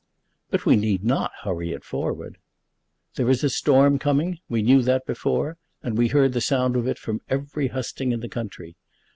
"But we need not hurry it forward." "There is a storm coming. We knew that before, and we heard the sound of it from every husting in the country.